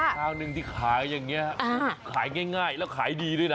ทางหนึ่งที่ขายอย่างนี้ขายง่ายแล้วขายดีด้วยนะ